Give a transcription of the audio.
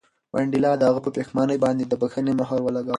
منډېلا د هغه په پښېمانۍ باندې د بښنې مهر ولګاوه.